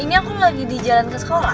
ini aku lagi di jalan ke sekolah